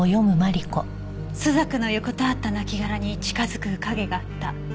「朱雀の横たわった亡骸に近づく影があった」